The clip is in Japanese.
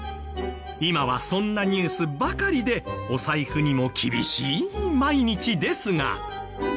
今はそんなニュースばかりでお財布にも厳しい毎日ですが。